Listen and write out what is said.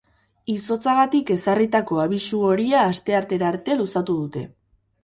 Izotzagatik ezarritako abisu horia asteartera arte luzatu dute.